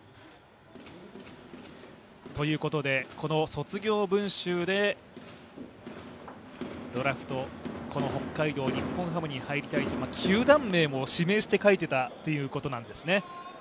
卒業文集でドラフト、北海道日本ハムに入りたいという球団名も指名して書いていたということなんですね。